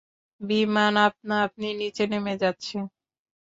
বিমান আপনা-আপনি নিচে নেমে যাচ্ছে!